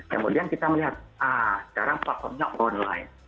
kemudian kita melihat sekarang platformnya online